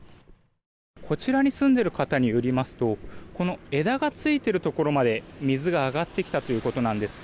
こちらに住んでいる方によりますとこの枝がついているところまで水が上がってきたということなんです。